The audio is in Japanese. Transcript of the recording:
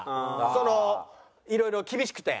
そのいろいろ厳しくて。